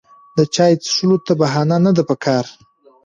د چای څښلو ته بهانه نه ده پکار.